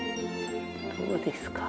どうですか？